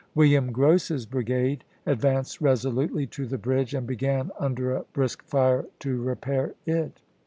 William Grose's brigade ad vanced resolutely to the bridge and began under a brisk fire to repair it.